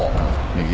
右。